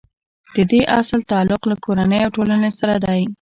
د دې اصل تعلق له کورنۍ او ټولنې سره دی.